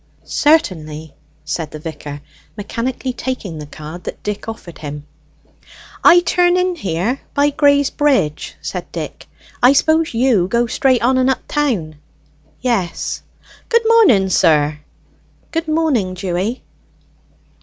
"Certainly," said the vicar, mechanically taking the card that Dick offered him. "I turn in here by Grey's Bridge," said Dick. "I suppose you go straight on and up town?" "Yes." "Good morning, sir." "Good morning, Dewy."